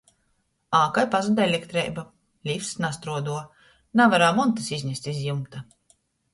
Ākai pazuda elektreiba, lifts nastruoduoja, navarēja montys iznest iz jumta.